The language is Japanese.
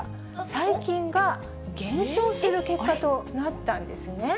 細菌が減少する結果となったんですね。